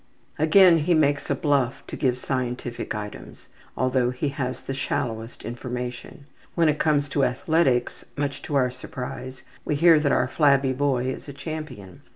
'' Again he makes a bluff to give scientific items, although he has the shallowest information. When it comes to athletics, much to our surprise, we hear that our flabby boy is a champion.